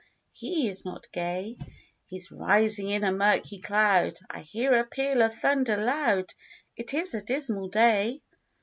he is not Gay, He's rising in a murky cloud, I hear a peal of thunder loud: It is a dismal day."